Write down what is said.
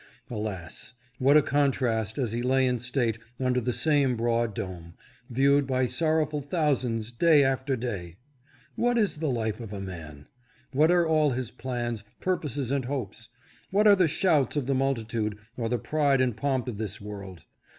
Alas, what a contrast as he lay in state under the same broad dome, viewed by sorrowful thousands day after day ! What is the life of man ? What are all his plans, purposes and hopes ? What are the shouts of the multi tude, or the pride and pomp of this world